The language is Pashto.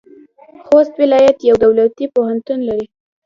خوست ولایت یو دولتي پوهنتون لري.